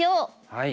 はい。